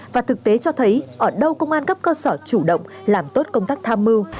và thực tế cho thấy ở đâu công an cấp cơ sở chủ động làm tốt công tác tham mưu